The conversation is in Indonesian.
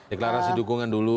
deklarasi dukungan dulu